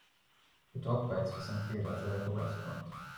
The dog begs for some food at a local restaurant.